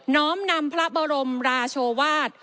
้อมนำพระบรมราชวาส